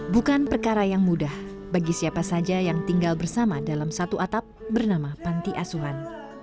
bukan perkara yang mudah bagi siapa saja yang tinggal bersama dalam satu atap bernama panti asuhan